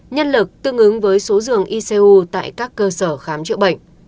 nhân lực tương ứng với số giường icu tại các cơ sở khám chữa bệnh